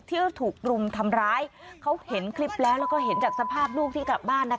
ที่ถูกรุมทำร้ายเขาเห็นคลิปแล้วแล้วก็เห็นจากสภาพลูกที่กลับบ้านนะคะ